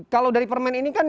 kalau dari permen ini kan